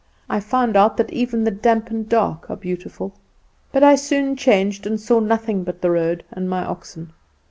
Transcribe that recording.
I found out that even the damp and dark are beautiful. But I soon changed, and saw nothing but the road and my oxen.